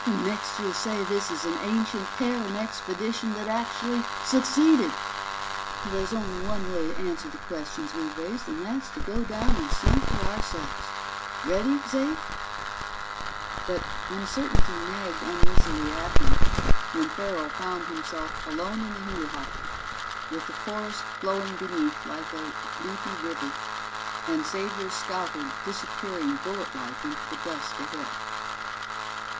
"Next you'll say this is an ancient Terran expedition that actually succeeded! There's only one way to answer the questions we've raised, and that's to go down and see for ourselves. Ready, Xav?" But uncertainty nagged uneasily at him when Farrell found himself alone in the helihopper with the forest flowing beneath like a leafy river and Xavier's scouter disappearing bulletlike into the dusk ahead.